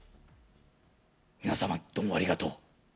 「皆さまどうもありがとう」